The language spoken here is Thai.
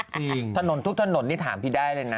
จริงสถานทุกทะโหนที่ถามพี่ได้เลยนะ